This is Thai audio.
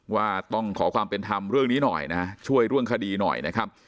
ว่าต้องขอความเป็นธรรมเรื่องนี้หน่อยนะช่วยเรื่องคดีหน่อยนะครับ